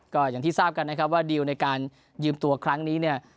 ก็อย่างที่ทราบกันนะครับว่าดีลในการยืมตัวครั้งนี้เนี่ย